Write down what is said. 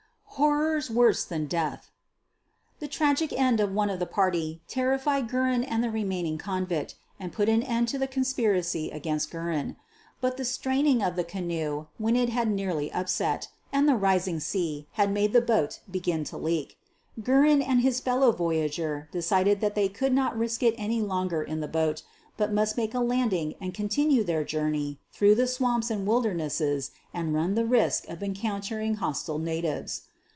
86 SOPHIE LYONS HORRORS WORSE THAN DEATH The tragic end of one of the party terrified Guerin and the remaining convict, and put an end to the con spiracy against Guerin. But the straining of the canoe when it had nearly upset and the rising sea had made the boat begin to leak. Guerin and his fellow voyager decided that they could not risk it any longer in the boat, but must make a landing and continue their journey through the swamps and wildernesses and run the risk of encountering hostile natives.